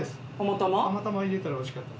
たまたま入れたらおいしかったです。